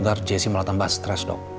darah jesse malah tambah stres dok